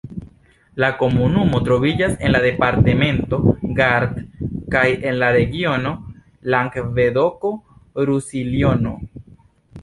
La komunumo troviĝas en la departemento Gard kaj en la regiono Langvedoko-Rusiljono.